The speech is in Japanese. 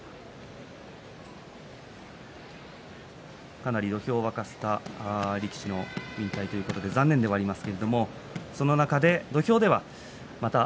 かなり土俵を沸かせた力士の引退ということで残念ではあります。